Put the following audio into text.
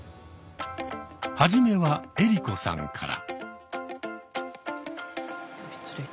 初めは江里子さんから。